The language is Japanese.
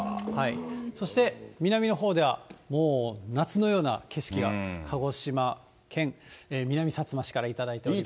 そして、南のほうではもう夏のような景色が、鹿児島県南さつま市から頂いております。